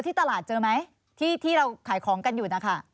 ที่ตลาดเจอไหมที่เราขายของกันอยู่นะคะ